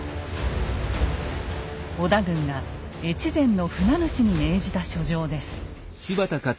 織田軍が越前の船主に命じた書状です。